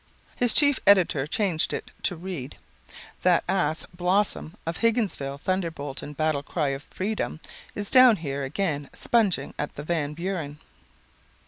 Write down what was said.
His chief editor changed it to read: "That ass, Blossom, of the Higginsville Thunderbolt and Battle Cry of Freedom is down here again sponging at the Van Buren."